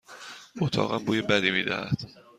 اتاقم بوی بدی می دهد.